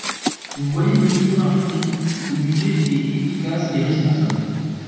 Vous voyez, monsieur Mariton, ce budget est efficace et responsable.